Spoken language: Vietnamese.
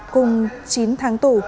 cùng chín tháng tù